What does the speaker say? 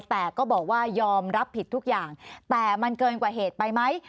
แต่ก็บอกว่ายอมรับผิดทุกอย่างแต่มันเกินกว่าเหตุไปไหม